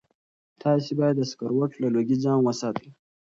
تاسي باید د سګرټو له لوګي ځان وساتئ.